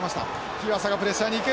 日和佐がプレッシャーにいく。